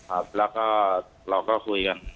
แล้วก็เราก็คุยกัน